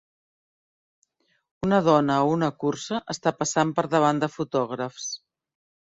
Una dona a una cursa està passant per davant de fotògrafs.